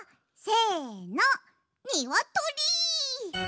にわとり！